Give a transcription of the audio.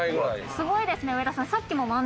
すごいですね上田さん。